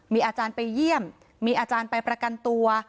มีอาจารย์ไปเยี่ยมมีอาจารย์ไปประกันตัว